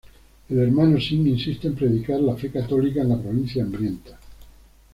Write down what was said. El hermano Sim insiste en predicar la fe católica en la provincia hambrienta.